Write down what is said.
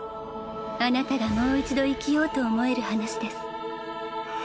あなたがもう一度生きようと思える話です